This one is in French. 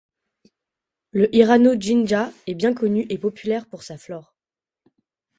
Le Hirano-jinja est bien connu et populaire pour sa flore.